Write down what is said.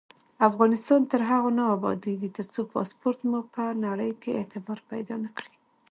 افغانستان تر هغو نه ابادیږي، ترڅو پاسپورت مو په نړۍ کې اعتبار پیدا نکړي.